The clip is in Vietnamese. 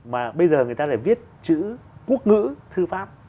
mà bây giờ người ta lại viết chữ quốc ngữ thư pháp